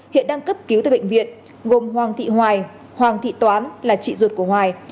hiện đang cấp cứu tại bệnh viện gồm hoàng thị hoài hoàng thị toán là chị ruột của hoài